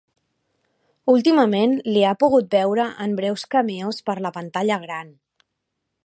Últimament l'hi ha pogut veure en breus cameos per a la pantalla gran.